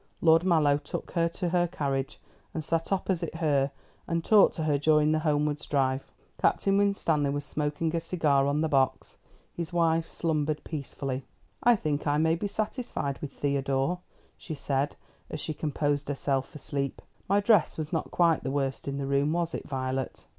Lord Mallow took her to her carriage, and sat opposite her and talked to her during the homewards drive. Captain Winstanley was smoking a cigar on the box. His wife slumbered peacefully. "I think I may be satisfied with Theodore," she said, as she composed herself for sleep; "my dress was not quite the worst in the room, was it, Violet?"